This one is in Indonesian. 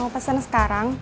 mau pesan sekarang